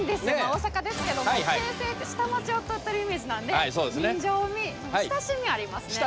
大阪ですけども京成って下町を通ってるイメージなんで人情味親しみありますね。